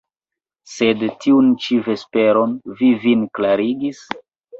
Sed tiun ĉi vesperon vi vin klarigis?